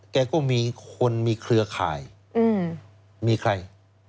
แกก็มีคนมีเครือข่ายมีใคร